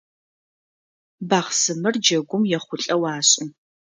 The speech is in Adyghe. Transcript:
Бахъсымэр джэгум ехъулӏэу ашӏы.